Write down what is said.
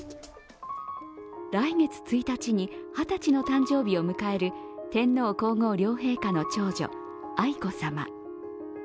来月１日に二十歳の誕生日を迎える天皇皇后両陛下の長女・愛子さま。